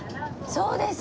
そうです。